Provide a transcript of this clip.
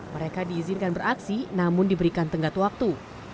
mereka diizinkan beraksi namun diberikan tenggat waktu